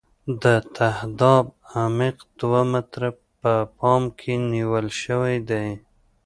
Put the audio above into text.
د تهداب عمق دوه متره په پام کې نیول شوی دی